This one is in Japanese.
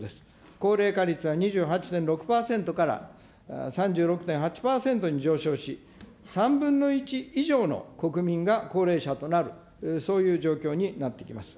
高齢化率は２８．６％から、３６．８％に上昇し、３分の１以上の国民が高齢者となる、そういう状況になってきます。